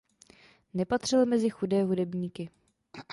Nepatřil mezi chudé hudebníky.